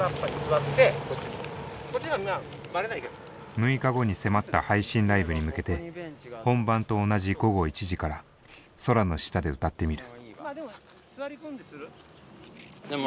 ６日後に迫った配信ライブに向けて本番と同じ午後１時から空の下で歌ってみる。